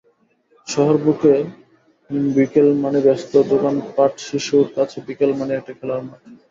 শহর বুকে বিকেল মানে ব্যস্ত দোকানপাটশিশুর কাছে বিকেল মানেই একটা খেলার মাঠ।